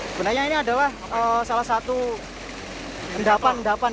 sebenarnya ini adalah salah satu endapan endapan